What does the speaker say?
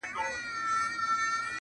زما له لاسه تر سږمو چي كلى كور سو-